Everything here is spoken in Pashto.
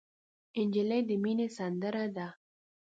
نجلۍ د مینې سندره ده.